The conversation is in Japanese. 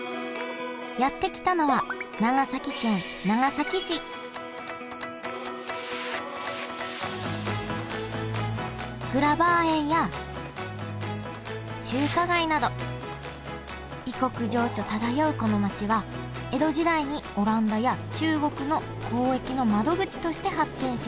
やって来たのは長崎県長崎市グラバー園や中華街など異国情緒漂うこの街は江戸時代にオランダや中国の交易の窓口として発展しました